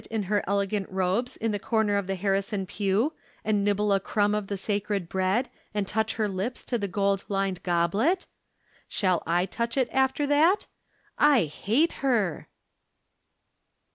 in her elegant robes in the corner of tlie Harrison pew, and nibble a crumb of the sacred bread, and touch her lips to the gold lined goblet ? Shall I touch it, after that ?/ hate her